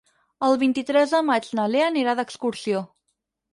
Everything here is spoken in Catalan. El vint-i-tres de maig na Lea anirà d'excursió.